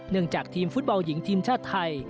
จากทีมฟุตบอลหญิงทีมชาติไทย